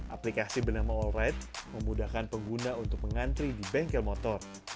aplikasi bernama all ride memudahkan pengguna untuk mengantri di bengkel motor